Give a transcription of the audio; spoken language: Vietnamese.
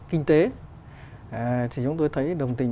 kinh tế thì chúng tôi thấy đồng tình